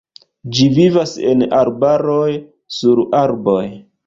Ĝi vivas en arbaroj, sur arboj.